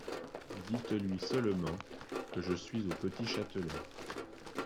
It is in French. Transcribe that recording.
Dites-lui seulement que je suis au Petit-Châtelet.